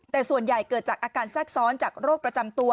แต่ส่วนใหญ่เกิดจากอาการแทรกซ้อนจากโรคประจำตัว